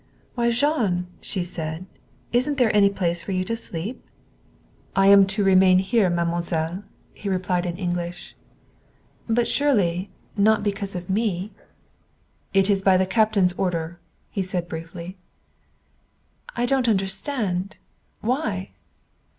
"Why, Jean!" she said. "Isn't there any place for you to sleep?" "I am to remain here, mademoiselle," he replied in English. "But surely not because of me?" "It is the captain's order," he said briefly. "I don't understand. Why?"